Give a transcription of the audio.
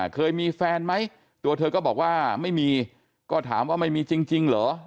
เคยมีแฟนไหมตัวเธอก็บอกว่าไม่มีก็ถามว่าไม่มีจริงเหรอ